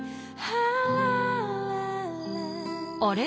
あれ？